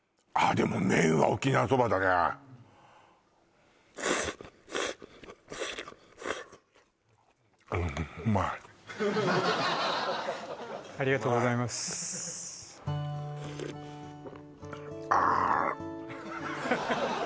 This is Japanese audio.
でも麺は沖縄そばだねありがとうございますうまいああ